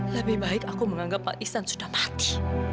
lebih baik aku menganggap mas iksan sudah mati